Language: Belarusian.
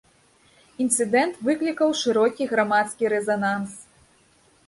Інцыдэнт выклікаў шырокі грамадскі рэзананс.